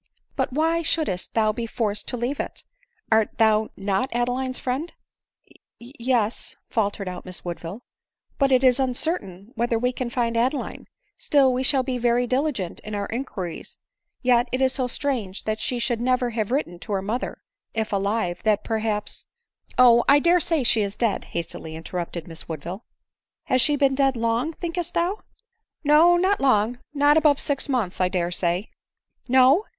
" But why shouldst thou be forced to leave it ? Art thou not Adeline's friend ?"" Ye — yes," faltered out Miss Woodville. "But it is uncertain whether we can find Adeline — still we shall be very diligent in our inquiries ; yet it is so strange that she should never have written to her mother, if alive, that perhaps —"" Oh, I dare say she is dead," hastily interrupted Miss Woodville. 94 Has she been dead long thinkest thou ?"" No— not long — not above six months, I dare say." " No